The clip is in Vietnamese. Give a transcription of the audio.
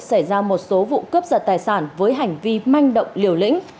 xảy ra một số vụ cướp giật tài sản với hành vi manh động liều lĩnh